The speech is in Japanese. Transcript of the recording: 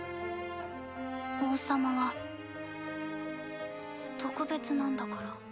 王様は特別なんだから。